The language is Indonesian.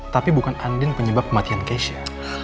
tapi bukan anit yang penyebab kematian keisha